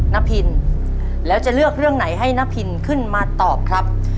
นพินแล้วจะเลือกเรื่องไหนให้น้าพินขึ้นมาตอบครับ